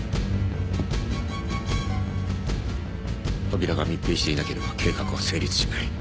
扉が密閉していなければ計画は成立しない。